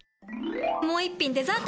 もう一品デザート！